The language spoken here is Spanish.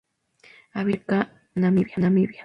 Habita en Sudáfrica, Namibia.